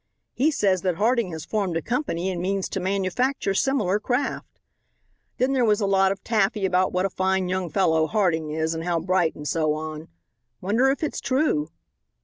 He says that Harding has formed a company and means to manufacture similar craft. Then there was a lot of taffy about what a fine young fellow Harding is, and how bright, and so on. Wonder if it's true?"